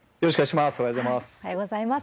おはようございます。